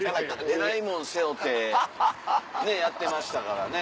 えらいもん背負うてねっやってましたからね。